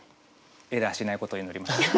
エラーしないことを祈ります。